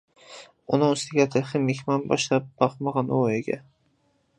ئۇنىڭ ئۈستىگە تېخى مېھمان باشلاپ باقمىغان ئۇ ئۆيگە.